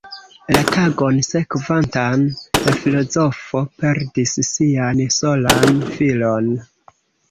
La tagon sekvantan, la filozofo perdis sian solan filon.